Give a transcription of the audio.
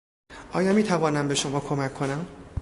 آیا میتوانم به شما کمک کنم؟